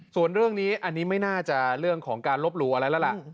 ส่วนเรื่องนี้อันนี้ไม่น่าจะเรื่องของการลบหลู่อะไรแล้วล่ะ